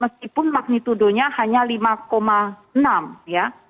meskipun magnitudenya hanya delapan mm ii